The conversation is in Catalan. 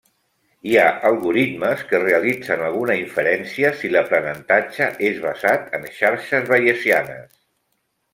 Hi ha algoritmes que realitzen alguna inferència si l'aprenentatge és basat en xarxes bayesianes.